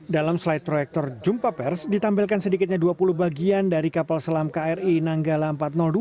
dalam slide proyektor jumpa pers ditampilkan sedikitnya dua puluh bagian dari kapal selam kri nanggala empat ratus dua